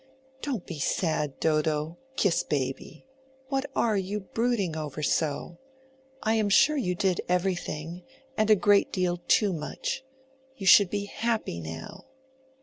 "Don't be sad, Dodo; kiss baby. What are you brooding over so? I am sure you did everything, and a great deal too much. You should be happy now."